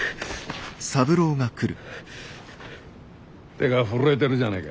手が震えてるじゃねえか。